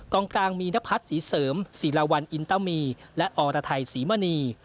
กลางกลางมีนพัฒน์ศรีเสริมศิลาวันอินตามีและอรไทยศรีมณี